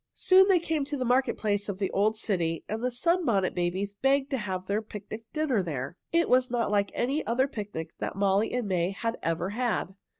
Soon they came to the market place of the old city, and the Sunbonnet Babies begged to have their picnic dinner there. It was not like any other picnic that Molly and May had ever had.